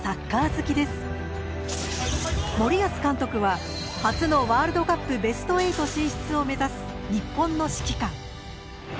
森保監督は初のワールドカップベスト８進出を目指す日本の指揮官。